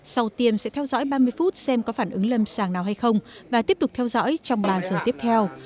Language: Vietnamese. sau tiêm sẽ theo dõi ba mươi phút xem có phản ứng lâm sàng nào hay không và tiếp tục theo dõi trong ba giờ tiếp theo